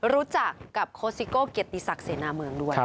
รู้จักกับโค้ซิโก้เกียรติศักดิเสนาเมืองด้วย